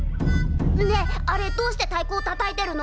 ねえあれどうしてたいこをたたいてるの？